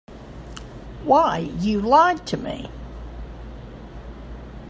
Why, you lied to me.